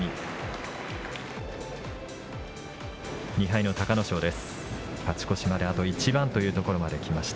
２敗の隆の勝です。